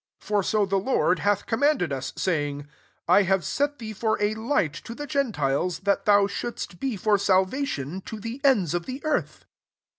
47 For so the Lord hath commanded us, sayings ' I have set thee for a light to the gen tiles, that thou shouldst be for salvation, to the «ida of the earth.'